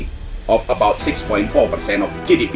sekitar enam empat persen dari gdp